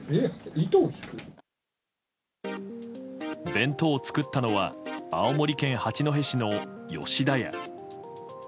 弁当を作ったのは青森県八戸市の吉田屋。